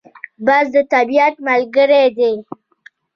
باز د طبیعت ملګری دی